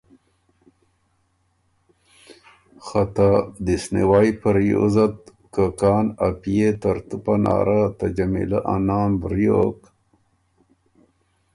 خه ته دِست نیوئ په ریوزت که کان ا پئے ترتُو پناره ته جمیلۀ ا نام وریوک،